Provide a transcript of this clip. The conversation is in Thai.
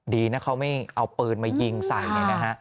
ดีนะเค้าไม่เอาปืนมายิงใส่